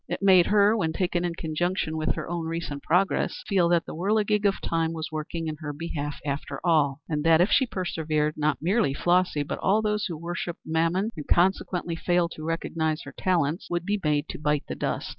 It made her, when taken in conjunction with her own recent progress, feel that the whirligig of time was working in her behalf after all; and that if she persevered, not merely Flossy, but all those who worshipped mammon, and consequently failed to recognize her talents, would be made to bite the dust.